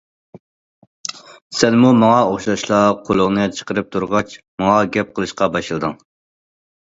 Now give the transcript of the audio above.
سەنمۇ ماڭا ئوخشاشلا قۇلۇڭنى چىقىرىپ تۇرغاچ ماڭا گەپ قىلىشقا باشلىدىڭ.